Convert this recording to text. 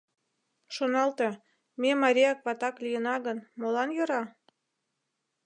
Шоналте, ме марияк-ватак лийына гын, молан йӧра?